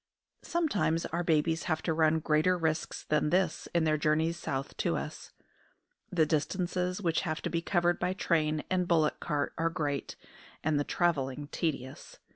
Sometimes our babies have to run greater risks than this in their journeys south to us. The distances which have to be covered by train and bullock cart are great, and the travelling tedious.